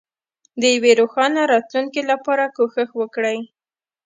د یوې روښانه راتلونکې لپاره کوښښ وکړئ.